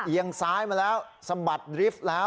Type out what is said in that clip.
ซ้ายมาแล้วสะบัดริฟท์แล้ว